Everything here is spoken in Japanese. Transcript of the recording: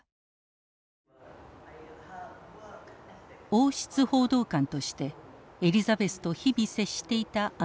王室報道官としてエリザベスと日々接していたアンダーソン。